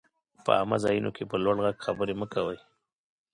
په عامه ځايونو کي په لوړ ږغ خبري مه کوئ!